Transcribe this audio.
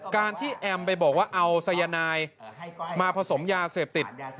การที่แอมไปบอกว่าเอาสายนายมาผสมยาเสพติด